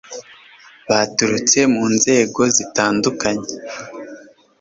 baturutse mu nzego zitandukanye